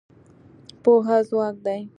پوهه ځواک دی.